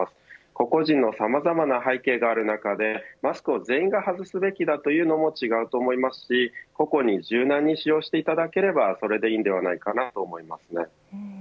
個々人のさまざまな背景がある中でマスクを、全員が外すべきだというのも違うと思いますし個々に柔軟に使用していただければそれでいいのではないかと思います。